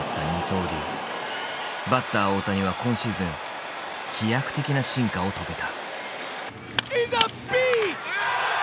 バッター大谷は今シーズン飛躍的な進化を遂げた。